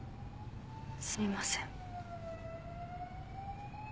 すみません。